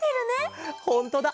ほんとだ。